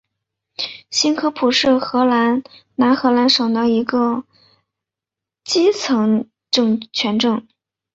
新科普是荷兰南荷兰省的一个基层政权。